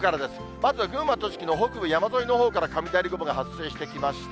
まず群馬、栃木の北部山沿いのほうから雷雲が発生してきました。